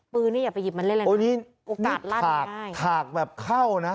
ปืนนี่อย่าไปยิบมันเร็ดโอกาสลั่นมาได้